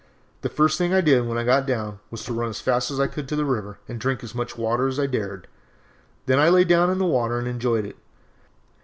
The first thing I did when I got down was to run as fast as I could to the river and drink as much water as I dared, then I lay down in the water and enjoyed it.